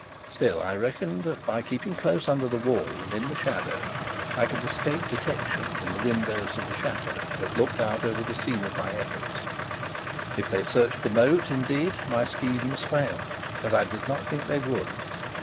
Still I reckoned that by keeping close under the wall and in the shadow I could escape detection from the windows of the chateau that looked out on the scene of my efforts. If they searched the moat, indeed, my scheme must fail; but I did not think they would.